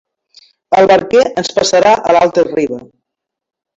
El barquer ens passarà a l'altra riba.